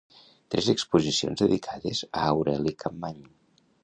Tres exposicions dedicades a Aureli Capmany.